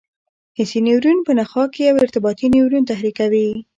حسي نیورون په نخاع کې یو ارتباطي نیورون تحریکوي.